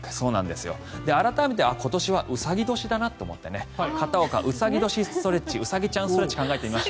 改めて今年は卯年だなって思って片岡、卯年ストレッチウサギちゃんストレッチを考えてみました。